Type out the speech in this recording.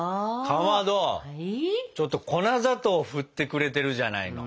かまどちょっと粉砂糖を振ってくれてるじゃないの。